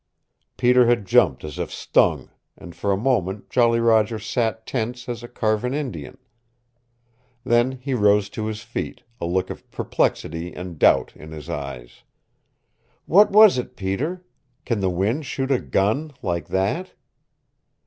Peter had jumped as if stung, and for a moment Jolly Roger sat tense as a carven Indian. Then he rose to his feet, a look of perplexity and doubt in his eyes. "What was it, Peter? Can the wind shoot a gun like THAT?"